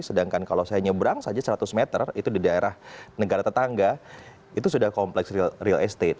sedangkan kalau saya nyebrang saja seratus meter itu di daerah negara tetangga itu sudah kompleks real estate